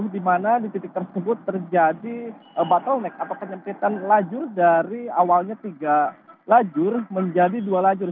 di mana di titik tersebut terjadi bottleneck atau penyempitan lajur dari awalnya tiga lajur menjadi dua lajur